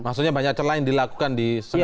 maksudnya banyak hal lain dilakukan di